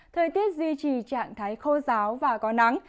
thời tiết duy trì trạng thái khô giáo và có nắng